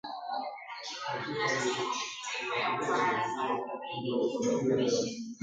Madhumuni ya utafiti huu ni kudhibitisha